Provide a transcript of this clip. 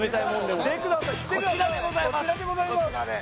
こちらでございます